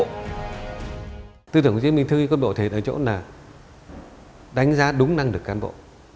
tư tưởng của chủ tịch hồ chí minh thưa quân bộ thì ở chỗ là đánh giá đúng năng lực cán bộ